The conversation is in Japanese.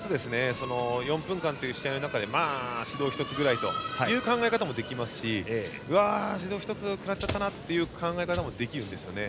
４分間という試合の中でまあ、指導１つくらいという考え方もできますしうわ、指導１つ食らっちゃったなという考え方もできますね。